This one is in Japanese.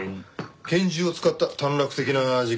拳銃を使った短絡的な事件だろ？